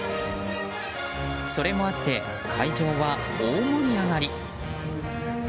それもあって会場は大盛り上がり。